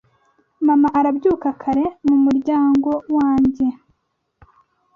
Mama arabyuka kare mumuryango wanjye.